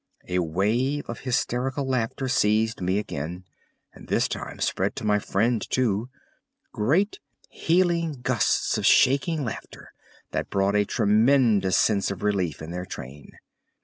A wave of hysterical laughter seized me again, and this time spread to my friend too—great healing gusts of shaking laughter that brought a tremendous sense of relief in their train.